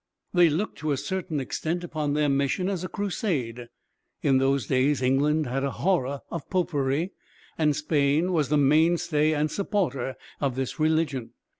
They looked, to a certain extent, upon their mission as a crusade. In those days England had a horror of Popery, and Spain was the mainstay and supporter of this religion.